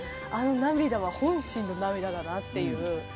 あの涙は本心の涙だなっていう。